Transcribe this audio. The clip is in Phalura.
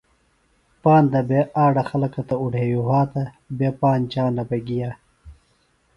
پاندہ بےۡ آڈہ خلکہ تہ اُڈھیویۡ وھاتہ بےۡ پانج جانہ بہ گِیہ